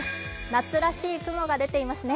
夏らしい雲が出ていますね。